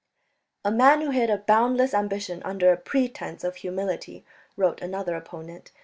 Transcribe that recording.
"A man who hid a boundless ambition under a pretence of humility," wrote another opponent.